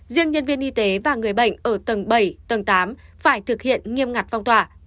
riêng nhân viên y tế và người bệnh ở tầng bảy tầng tám phải thực hiện nghiêm ngặt phong tỏa